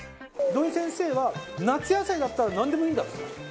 土井先生は夏野菜だったらなんでもいいんだっつってました。